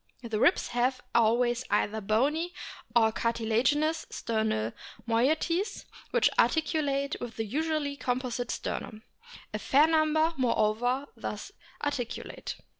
The ribs have always either bony or cartilaginous sternal moieties, which articulate with the usually composite sternum. A fair number, moreover, thus articulate.